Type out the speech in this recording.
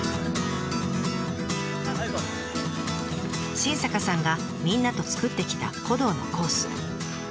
新坂さんがみんなと作ってきた古道のコース。